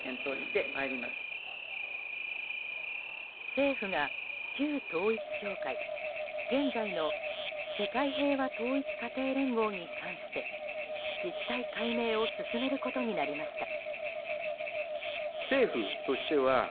政府が旧統一教会現在の世界平和統一家庭連合に関して実態解明を進めることになりました。